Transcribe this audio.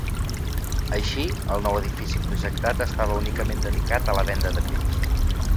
Així, el nou edifici projectat estava únicament dedicat a la venda de peix.